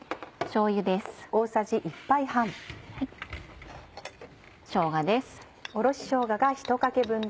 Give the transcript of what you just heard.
しょうがです。